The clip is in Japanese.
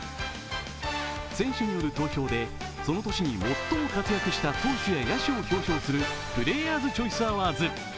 選手による投票でその年の最も活躍した投手や野手を表彰するプレーヤーズ・チョイス・アワーズ。